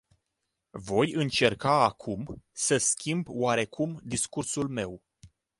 Voi încerca acum să schimb oarecum discursul meu.